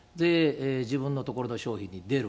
自分のところの商品に出る。